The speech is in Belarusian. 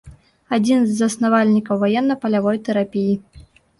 Адзін з заснавальнікаў ваенна-палявой тэрапіі.